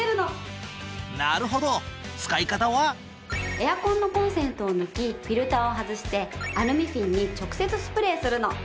エアコンのコンセントを抜きフィルターを外してアルミフィンに直接スプレーするの。